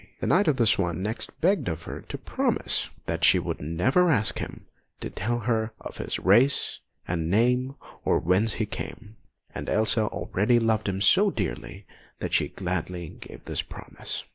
The Knight of the Swan next begged of her to promise that she would never ask him to tell her his race and name, or whence he came, and Elsa already loved him so dearly that she gladly gave this promise.